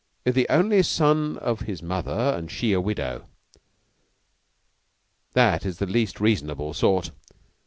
"'The only son of his mother, and she a widow.' That is the least reasonable sort."